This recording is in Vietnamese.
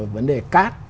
vấn đề cát